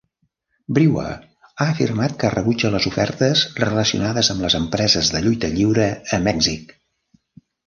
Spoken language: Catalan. Brewer ha afirmat que rebutja les ofertes relacionades amb empreses de lluita lliure a Mèxic.